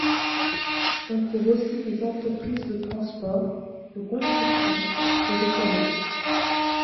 On trouve aussi des entreprises de transports, de construction et de commerce.